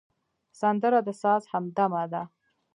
سندره د ساز همدمه ده